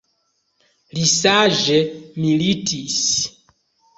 Li saĝe militis.